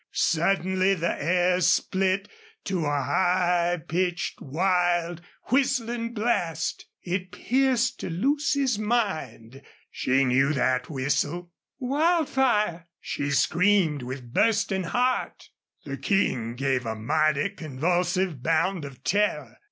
Suddenly the air split to a high pitched, wild, whistling blast. It pierced to Lucy's mind. She knew that whistle. "Wildfire!" she screamed, with bursting heart. The King gave a mighty convulsive bound of terror.